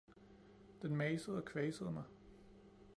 Den masede og kvasede mig